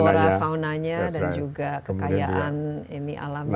flora fauna nya dan juga kekayaan ini alamnya